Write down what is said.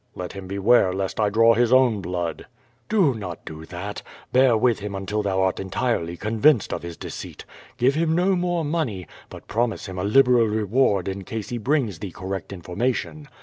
'Tliet him beware lest I draw his own blood.'* Ilg QUO TADTS, *T)o not do that. Bear with him until tliou art entirely convinced of his deceit. Give him no more money, but pro mise him a liberal reward in case he brings thee correct in formation.